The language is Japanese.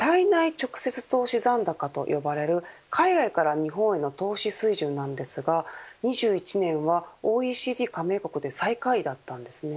直接投資残高と呼ばれる海外から日本への投資水準なんですが２１年はＯＥＣＤ加盟国で最下位だったんです。